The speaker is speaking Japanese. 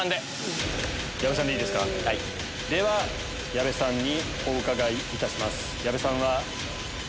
では矢部さんにお伺いいたします。